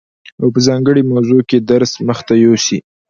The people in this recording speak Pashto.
او په ځانګړي موضوع کي درس مخته يوسي،